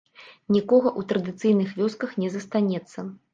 Нікога ў традыцыйных вёсках не застанецца.